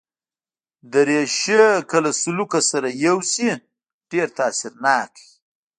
دریشي که له سلوکه سره یوسې، ډېر تاثیرناک وي.